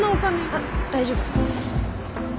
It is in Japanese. あっ大丈夫。